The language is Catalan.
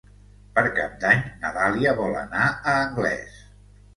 Per Cap d'Any na Dàlia vol anar a Anglès.